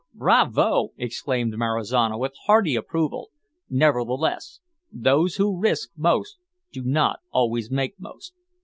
"Bravo!" exclaimed Marizano, with hearty approval; "nevertheless those who risk most do not always make most.